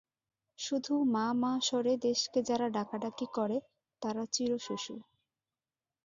শুধু মা মা স্বরে দেশকে যারা ডাকাডাকি করে, তারা চিরশিশু।